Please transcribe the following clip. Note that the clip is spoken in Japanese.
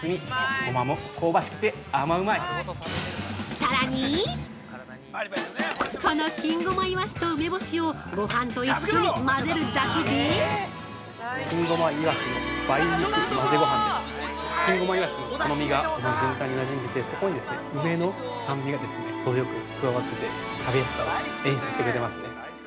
◆さらにこの金ごまいわしと梅干しをごはんと一緒にまぜるだけで◆金ごまいわしの甘みが全体になじんで、そこに梅の酸味がほどよく加わってて、食べやすさを演出してくれてますね。